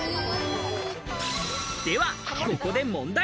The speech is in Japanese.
では、ここで問題。